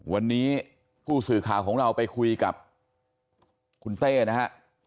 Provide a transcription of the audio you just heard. วันนี้ผู้สื่อข่าวของเราไปคุยกับคุณเต้นะฮะ